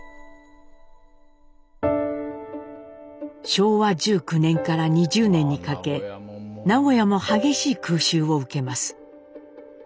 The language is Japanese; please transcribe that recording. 昭和１９年から２０年にかけ名古屋も激しい空襲を受けます。